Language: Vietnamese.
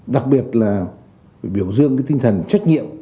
đặc biệt là biểu dương tinh thần trách nhiệm